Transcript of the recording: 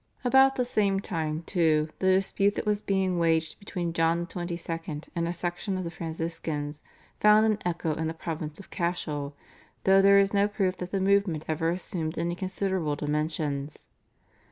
About the same time, too, the dispute that was being waged between John XXII. and a section of the Franciscans found an echo in the province of Cashel, though there is no proof that the movement ever assumed any considerable dimensions.